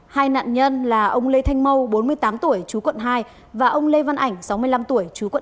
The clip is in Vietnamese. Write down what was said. hai nạn nhân là ông lê thanh mau bốn mươi tám tuổi chú quận hai và ông lê văn ảnh sáu mươi năm tuổi chú quận